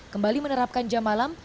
kembali menerapkan jam malam